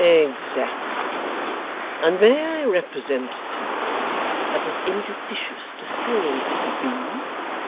'Exactly. And may I represent to you that it's injudicious to say the bee?